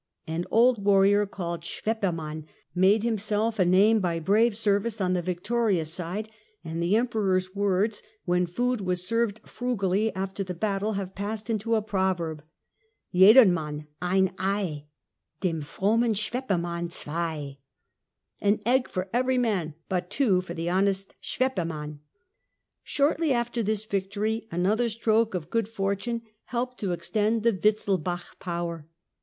An old warrior called Schweppermann made himself a name by brave service on the victorious side, and the Emperor's words, when food was served frugally after the battle, have passed into a proverb. " Jedern Mann ein Ei, dem frommen Schweppermann zwei (An egg for every man, but two for the honest Schweppermann)." Shortly after this victory, another stroke of good for tune helped to extend the Wittelsbach power.